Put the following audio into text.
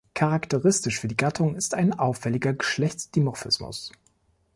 Charakteristisch für die Gattung ist ein auffälliger Geschlechtsdimorphismus.